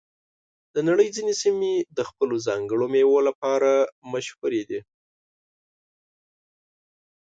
د نړۍ ځینې سیمې د خپلو ځانګړو میوو لپاره مشهور دي.